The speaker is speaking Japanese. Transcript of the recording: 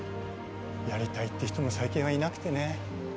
やりたいっていう人も最近はいなくてね